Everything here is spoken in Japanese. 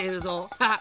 ハッ。